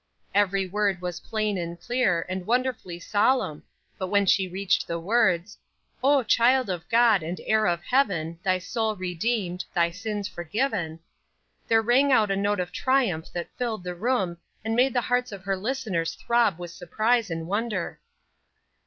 Every word was plain and clear, and wonderfully solemn; but when she reached the words, "Oh, child of God, and heir of heaven, Thy soul redeemed, thy sins forgiven," There rang out a note of triumph that filled the room, and made the hearts of her listeners throb with surprise and wonder.